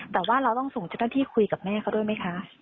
แต่ว่าเราต้องสุขเท่าที่คุยกับแม่เขาด้วยมั้ยคะ